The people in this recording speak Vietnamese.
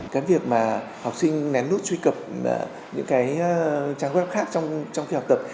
cái việc mà học sinh nén nút truy cập những trang web khác trong khi học tập